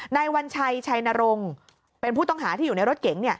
วัญชัยชัยนรงค์เป็นผู้ต้องหาที่อยู่ในรถเก๋ง